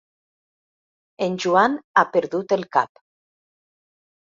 En Joan ha perdut el cap.